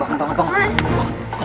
bangun bangun bangun